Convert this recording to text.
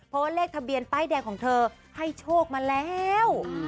เพราะว่าเลขทะเบียนป้ายแดงของเธอให้โชคมาแล้ว